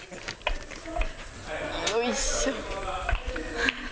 よいしょ。